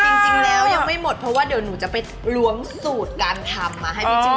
จริงแล้วยังไม่หมดเพราะว่าเดี๋ยวหนูจะไปล้วงสูตรการทำมาให้พี่จิน